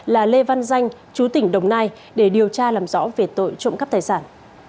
là lê văn danh chú tỉnh đồng nai để điều tra làm rõ về tội trộm cắp tài sản